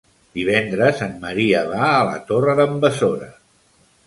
Divendres en Maria va a la Torre d'en Besora.